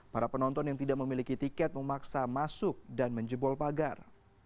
para penonton yang tidak memiliki tiket memaksa masuk dan menjebol pagar